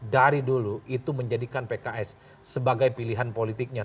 dari dulu itu menjadikan pks sebagai pilihan politiknya